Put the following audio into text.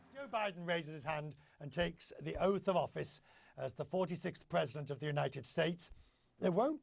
joe biden berangkat tangan dan mengambil perintah kewajiban sebagai presiden ke empat puluh enam amerika serikat